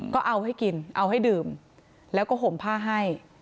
ก็เอาให้กินเอาให้ดื่มแล้วก็ห่มผ้าให้